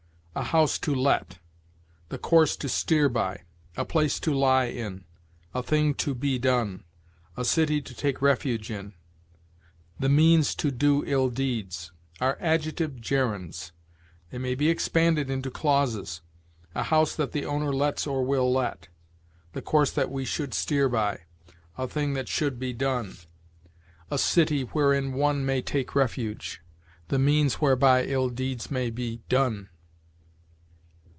'A house to let,' 'the course to steer by,' 'a place to lie in,' 'a thing to be done,' 'a city to take refuge in,' 'the means to do ill deeds,' are adjective gerunds; they may be expanded into clauses: 'a house that the owner lets or will let'; 'the course that we should steer by'; 'a thing that should be done'; 'a city wherein one may take refuge'; 'the means whereby ill deeds may be done.'